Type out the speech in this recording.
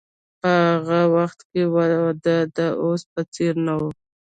په هغه وخت کې واده د اوس په څیر نه و.